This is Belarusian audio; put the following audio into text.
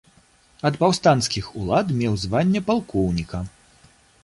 Ад паўстанцкіх улад меў званне палкоўніка.